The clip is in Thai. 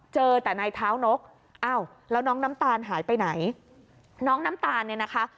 เจอแต่ในเท้านกอ้าวแล้วน้องน้ำตาลหายไปไหนน้องน้ำตาลเนี่ยนะคะ